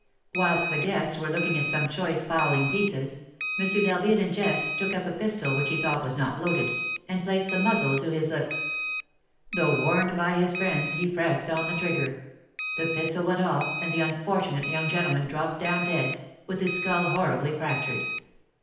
Whilst the guests were looking at some choice fowling pieces, M. d'Harville in jest took up a pistol which he thought was not loaded, and placed the muzzle to his lips. Though warned by his friends, he pressed on the trigger, the pistol went off, and the unfortunate young gentleman dropped down dead, with his skull horribly fractured.